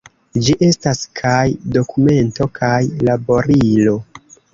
Ĝi estas kaj dokumento kaj laborilo.